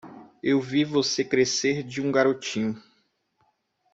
Eu vi você crescer de um garotinho.